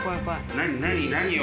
何を？